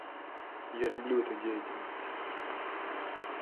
Я люблю эту деятельность.